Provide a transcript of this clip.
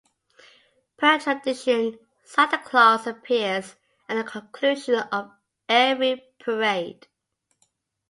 Per tradition, Santa Claus appears at the conclusion of every parade.